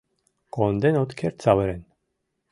Конден от керт савырен...